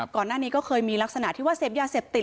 ก่อนหน้านี้ก็เคยมีลักษณะที่ว่าเสพยาเสพติด